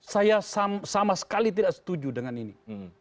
saya sama sekali tidak setuju dengan ini